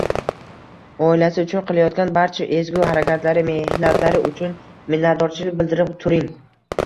Oilasi uchun qilayotgan barcha ezgu harakatlari, mehnatlari uchun minnatdorchilik bildirib turing.